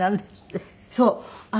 そう。